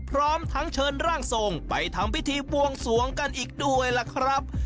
พร้อมทั้งเชิญร่างทรงไปทำพิธีบวงสวงกันอีกด้วยล่ะครับ